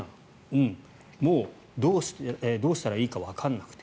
うん、もうどうしたらいいかわかんなくて。